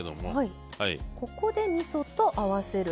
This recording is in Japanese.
ここでみそと合わせる。